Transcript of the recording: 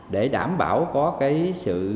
để đảm bảo có cái sự